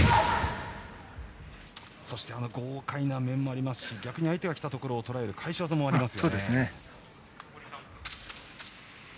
そして豪快な面もありますし逆に相手が来たところをとらえる返し技もあります。